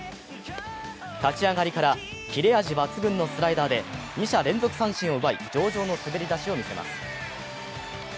立ち上がりからキレ味抜群のスライダーで２者連続三振を奪い、上々の滑り出しを見せます。